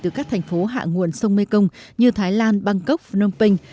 từ các thành phố hạ nguồn sông mekong như thái lan bangkok phnom penh